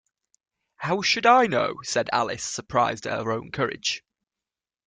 ‘How should I know?’ said Alice, surprised at her own courage.